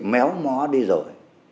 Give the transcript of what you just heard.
méo mó đi rồi